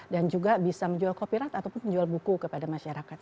dan juga bisa menjual kopirat ataupun menjual buku kepada masyarakat